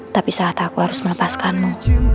tapi saat aku harus melepaskanmu